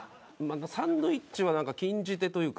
サンドイッチはなんか禁じ手というか。